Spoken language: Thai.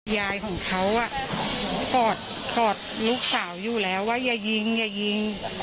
ยายของเขากอดลูกสาวอยู่แล้วว่าอย่ายิงอย่ายิง